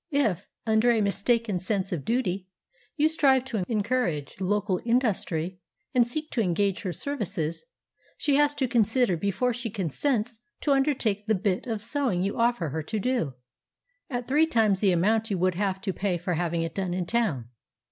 If, under a mistaken sense of duty, you strive to encourage local industry, and seek to engage her services, she has to consider before she consents to undertake the bit of sewing you offer her to do, at three times the amount you would have to pay for having it done in town.